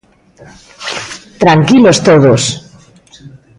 ¡Tranquilos todos!